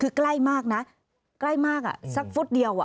คือกล้ายมากนะกล้ายมากสักฝุดเดียว